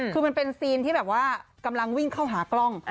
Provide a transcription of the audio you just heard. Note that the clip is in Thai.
คือมันเป็นซีนที่แบบว่ากำลังวิ่งเข้าหากล้อง